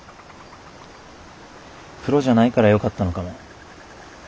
プロじゃないからよかったのかも。